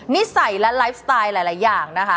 นิสัยและไลฟ์สไตล์หลายอย่างนะคะ